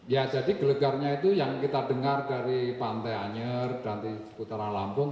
ya jadi gelegarnya itu yang kita dengar dari pantai anyer dan di seputaran lampung